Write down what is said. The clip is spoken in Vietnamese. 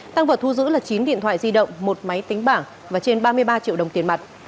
tăng vật thu giữ là chín điện thoại di động một máy tính bảng và trên ba mươi ba triệu đồng tiền mặt